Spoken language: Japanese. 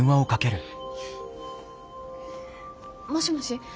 もしもし